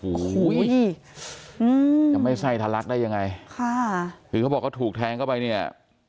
หรือไม่ไส้ทะลักษณ์ได้ยังไงคือเขาบอกถูกแทงเข้าไปเนี่ย